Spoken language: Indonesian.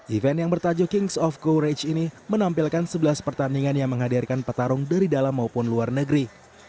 event yang bertajuk kings of courage ini menampilkan sebelas pertandingan yang menghadirkan petarung dari dalam maupun luar negeri